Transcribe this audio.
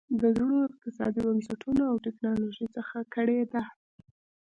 د زړو اقتصادي بنسټونو او ټکنالوژۍ څخه کړېده.